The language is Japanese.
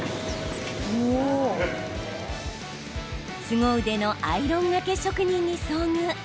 すご腕のアイロンがけ職人に遭遇。